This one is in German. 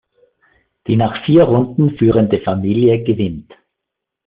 Die nach vier Runden führende Familie gewinnt.